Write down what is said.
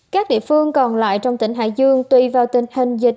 các địa phương còn lại trong tỉnh hải dương tùy vào tình hình dịch